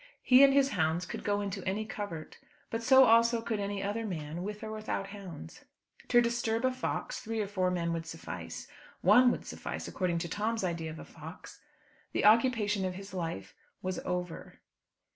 He and his hounds could go into any covert; but so also could any other man, with or without hounds. To disturb a fox, three or four men would suffice; one would suffice according to Tom's idea of a fox. The occupation of his life was over.